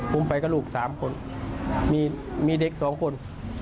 ผมไปกับลูกสามคนมีเด็กสองคน